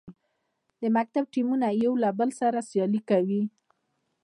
د مکتب ټیمونه یو بل سره سیالي کوي.